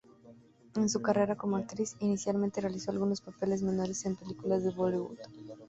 En su carrera como actriz, inicialmente realizó algunos papeles menores en películas de Bollywood.